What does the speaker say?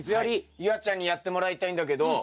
夕空ちゃんにやってもらいたいんだけど。